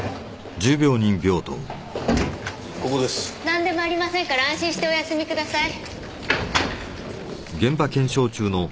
なんでもありませんから安心してお休みください。